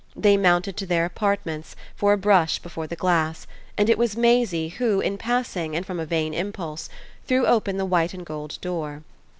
They mounted to their apartments for a brush before the glass, and it was Maisie who, in passing and from a vain impulse, threw open the white and gold door.